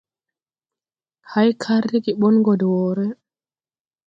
Hay kar rege ɓɔn go de wɔɔre!